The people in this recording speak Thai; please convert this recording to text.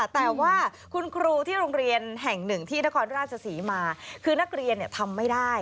แต่ว่าคุณครูที่โรงเรียนแห่งหนึ่งที่นครราชศรีมาคือนักเรียนทำไม่ได้